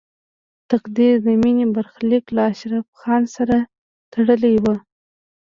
تقدیر د مینې برخلیک له اشرف خان سره تړلی و